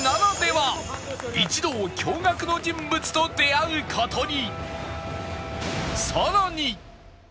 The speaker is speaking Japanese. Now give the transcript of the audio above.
一同驚愕の人物と出会う事に